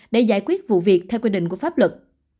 để giải quyết vụ việc theo quy định của pháp luật